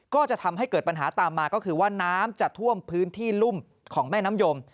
ก็จะทำให้เกิดปัญหาตามมาก็คือว่าน้ำจะท่วมพื้นที่รุ่มของแม่น้ำยม